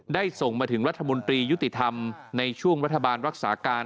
ส่งมาถึงรัฐมนตรียุติธรรมในช่วงรัฐบาลรักษาการ